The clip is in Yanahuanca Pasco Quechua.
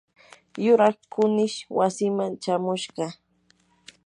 yuraq kunish wasiiman chamushqa.